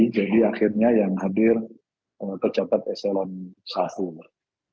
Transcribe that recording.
jadi akhirnya yang hadir kejabat eselon sahur